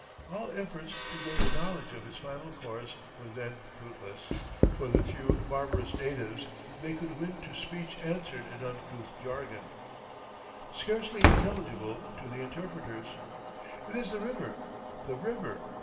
All efforts to gain a knowledge of its final course were then fruitless, for the few barbarous natives they could win to speech answered in uncouth jargon, scarcely intelligible to the interpreters: "It is the river the river!"